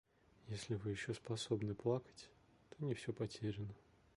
Если Вы еще способны плакать, то не все потеряно.